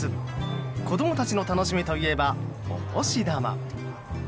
子どもたちの楽しみといえばお年玉。